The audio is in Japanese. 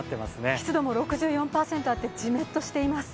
湿度も６４％あって、じめっとしています。